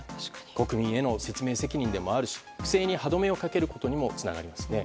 国民への説明責任でもあるし不正に歯止めをかけることにもつながりますね。